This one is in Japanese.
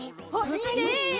いいね！